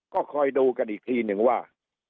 ก็คอยดูกันอีกทีนึงว่า